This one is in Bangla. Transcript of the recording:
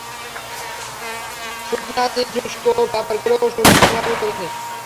সূক্ষ্মাতিসূক্ষ্ম ব্যাপারগুলোও সুচারুভাবে করেছ।